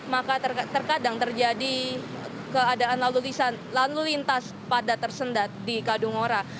maka terkadang terjadi keadaan lalu lintas pada tersendat di kadungora